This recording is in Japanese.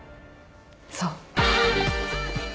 そう！